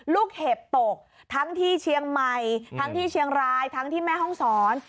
เห็บตกทั้งที่เชียงใหม่ทั้งที่เชียงรายทั้งที่แม่ห้องศร